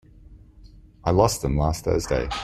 I lost them last Thursday.